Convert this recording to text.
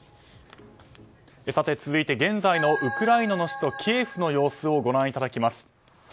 続いて、現在のウクライナの首都キエフの様子をご覧いただきます。